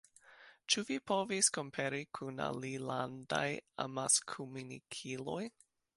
Ĉu vi povis kompari kun alilandaj amaskomunikiloj?